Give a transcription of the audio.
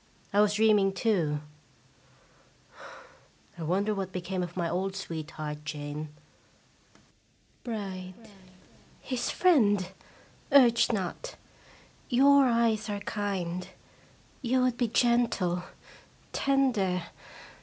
I was dreaming, too. I wonder what became of my old sweetheart Jane ! Bride. His friend ! Urge not. Your eyes are kind. You would be gentle, tender.